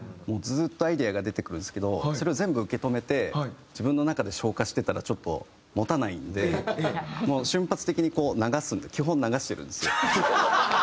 もうずっとアイデアが出てくるんですけどそれを全部受け止めて自分の中で消化してたらちょっと持たないんで瞬発的にこう流す基本流してるんですよ。